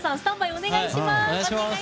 お願いします。